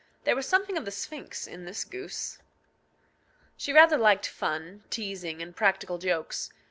There was something of the Sphinx in this goose. She rather liked fun, teasing, and practical jokes.